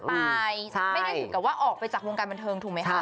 ไม่ได้ถึงกับว่าออกไปจากวงการบันเทิงถูกไหมคะ